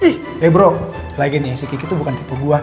ih eh bro lagian ya si kiki tuh bukan tipe gua